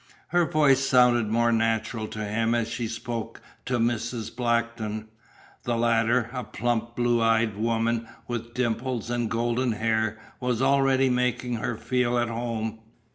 Her voice sounded more natural to him as she spoke to Mrs. Blackton. The latter, a plump little blue eyed woman with dimples and golden hair, was already making her feel at home.